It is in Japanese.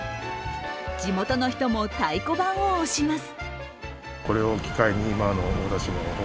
地元の人も太鼓判を押します。